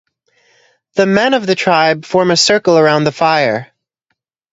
The men of the tribe form a circle around the fire.